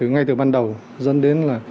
ngay từ ban đầu dẫn đến là